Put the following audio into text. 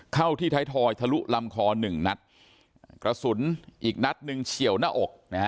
เข้าที่ไทยทอยทะลุลำคอหนึ่งนัดกระสุนอีกนัดหนึ่งเฉียวหน้าอกนะฮะ